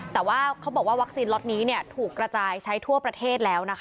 แต่ว่าเขาบอกว่าวัคซีนล็อตนี้ถูกกระจายใช้ทั่วประเทศแล้วนะคะ